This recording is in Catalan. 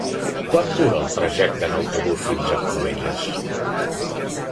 Quant dura el trajecte en autobús fins a Cubelles?